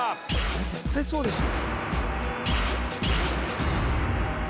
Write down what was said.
絶対そうでしょ！